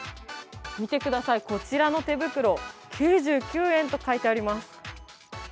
見てください、こちらの手袋、９９円と書いてあります。